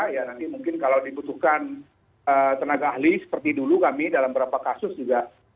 ya nanti mungkin kalau dibutuhkan tenaga ahli seperti dulu kami dalam beberapa kasus juga